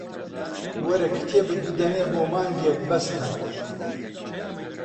وەرە کتێبت بدەمێ بۆ مانگێک بەستە